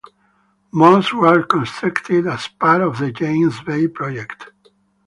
Most were constructed as part of the James Bay Project.